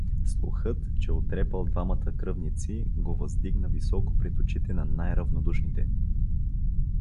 Слухът, че утрепал двамата кръвници, го въздигна високо пред очите на най-равнодушните.